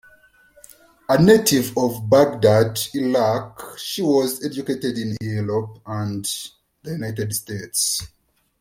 A native of Baghdad, Iraq, she was educated in Europe and the United States.